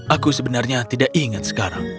aku sebenarnya tidak ingat sekarang